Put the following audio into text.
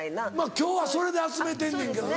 今日はそれで集めてんねんけどな。